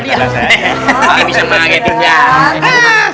ini bisa dipakai